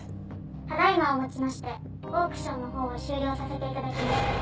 「ただ今をもちましてオークションのほうを終了させて頂きます」